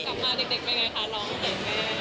กลับมาเด็กเป็นไงคะร้องเสียง